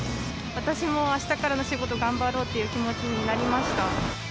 私もあしたからの仕事、頑張ろうという気持ちになりました。